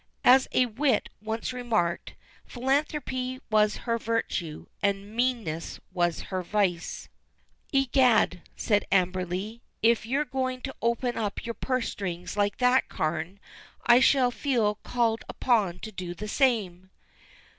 As a wit once remarked: "Philanthropy was her virtue, and meanness was her vice." "Egad," said Amberley, "if you're going to open your purse strings like that, Carne, I shall feel called upon to do the same."